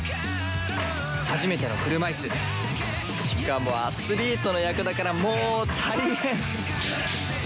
初めての車いすしかもアスリートの役だからもう大変！